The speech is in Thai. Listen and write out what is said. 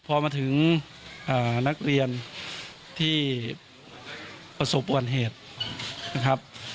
พอมาถึงนักเรียนที่ประสบอุบัติเหตุนะครับ